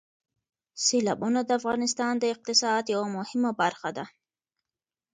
سیلابونه د افغانستان د اقتصاد یوه مهمه برخه ده.